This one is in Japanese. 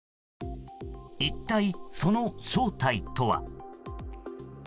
一体、その正体とは。